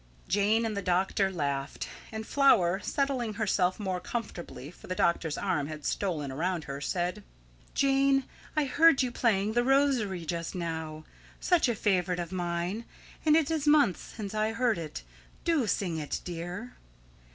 Jane and the doctor laughed, and Flower, settling herself more comfortably, for the doctor's arm had stolen around her, said: "Jane, I heard you playing THE ROSARY just now, such a favourite of mine, and it is months since I heard it. Do sing it, dear."